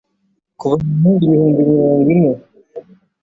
ku bantu ibihumbi mirongo ine